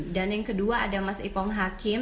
dan yang kedua ada mas ipong hakim